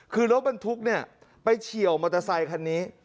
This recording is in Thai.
คือรถบรรทุกเนี่ยไปเฉียวมอเตอร์ไซคันนี้